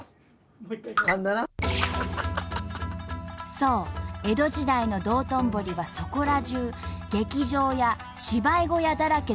そう江戸時代の道頓堀はそこら中劇場や芝居小屋だらけのエンタメの町。